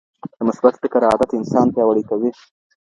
د مثبت فکر عادت انسان پیاوړی کوي.